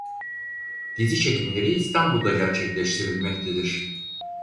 Dizi çekimleri İstanbul'da gerçekleştirilmektedir.